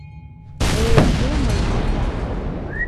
Эй, юмо, юмо!..